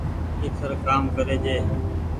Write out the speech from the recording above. ڪيکر ڪآم ڪري جي